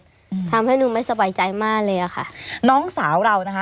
อืมทำให้หนูไม่สบายใจมากเลยอ่ะค่ะน้องสาวเรานะคะ